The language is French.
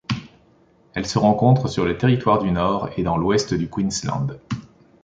Elle se rencontre dans le Territoire du Nord et dans l'Ouest du Queensland.